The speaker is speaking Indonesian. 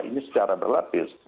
ini secara berlapis